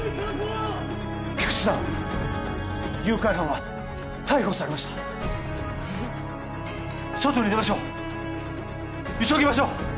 菊知さん誘拐犯は逮捕されました外に出ましょう急ぎましょう！